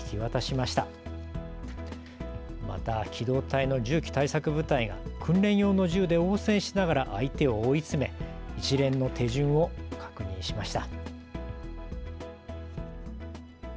また機動隊の銃器対策部隊が訓練用の銃で応戦しながら相手を追い詰め一連の手順を確認しました。